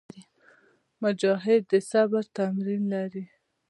مجاهد د صبر تمرین لري.